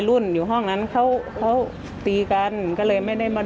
เราก็แบบเห็นแบบไม่ได้แบบ